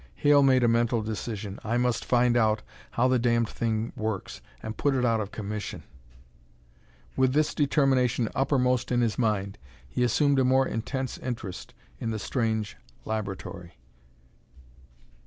Hale made a mental decision. "I must find out how the damned thing works and put it out of commission." With this determination uppermost in his mind, he assumed a more intense interest in the strange laboratory.